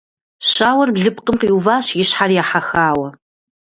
Щауэр блыпкъым къиуващ и щхьэр ехьэхауэ.